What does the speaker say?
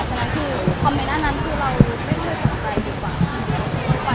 ฉะนั้นคือคอมเมนต์อันนั้นคือเราไม่เคยสนใจดีกว่า